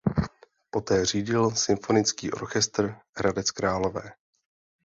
Poté řídil Symfonický orchestr Hradec Králové.